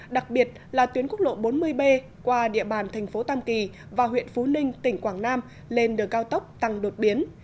đặc biệt là tuyến quốc lộ bốn mươi b qua địa bàn thành phố tam kỳ và huyện phú ninh tỉnh quảng nam lên đường cao tốc tăng đột biến